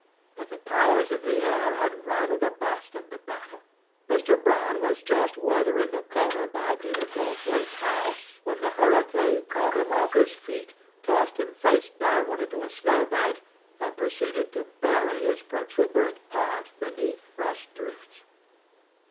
But the powers of the air had rather the best of the battle. Mr. Brown was just weathering the corner by Peter Goldthwaite's house when the hurricane caught him off his feet, tossed him face downward into a snow bank and proceeded to bury his protuberant part beneath fresh drifts.